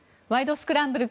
スクランブル」